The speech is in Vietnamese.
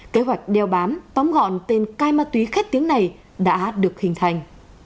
kế hoạch đeo bám tóm gọn tên cai ma túy khét tiếng này đã được hình thành